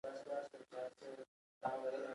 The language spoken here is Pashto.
دا موضوع په مبارزه کې له ځانګړي ځایګي څخه برخمنه ده.